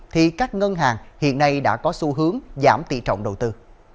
thì các ngân hàng hiện nay đã có xu hướng giảm tỷ trọng đầu tư